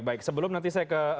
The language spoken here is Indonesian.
baik sebelum nanti saya ke